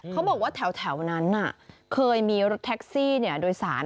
เขาบอกว่าแถวนั้นเคยมีรถแท็กซี่โดยสาร